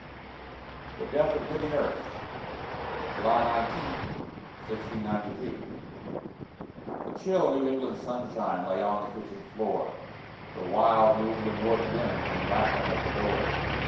THE DEATH OF GOODY NURSE [July 19, 1692] The chill New England sunshine Lay on the kitchen floor; The wild New England north wind Came rattling at the door.